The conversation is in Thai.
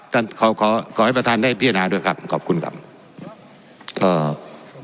ขอขอขอให้ประธานได้พิจารณาด้วยครับขอบคุณครับเอ่อ